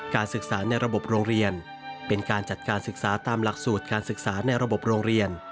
ศึกษาในระบบโรงเรียนเป็นการจัดการศึกษาตามหลักสูตรการศึกษาในระบบโรงเรียน